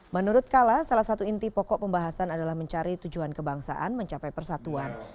menurut kala salah satu inti pokok pembahasan adalah mencari tujuan kebangsaan mencapai persatuan